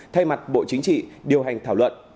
thay mặt bộ chính trị điều hành thảo luận